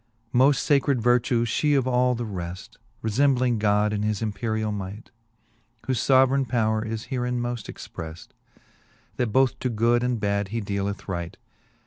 X. Moft facred vertue fhe of all the reft, Kefembling God in his imperiall might; Whole foveraine powre is herein moft expreft, That both to good and bad he dealeth right.